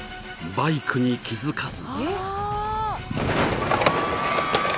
［バイクに気付かず］